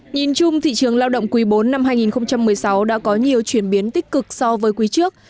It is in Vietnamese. nhìn chung thị trường lao động quý bốn năm hai nghìn một mươi sáu đã có nhiều chuyển biến tích cực so với quý trước